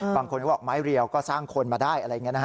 บางคนก็บอกไม้เรียวก็สร้างคนมาได้อะไรอย่างนี้นะฮะ